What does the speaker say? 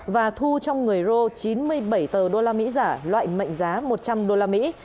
và thu trong người rô chín mươi bảy tờ đô la mỹ giả loại mệnh giá một trăm linh đô la mỹ